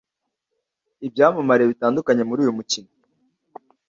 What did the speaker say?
ibyamamare bitandukanye muri uyu mukino